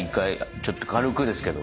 ちょっと軽くですけど。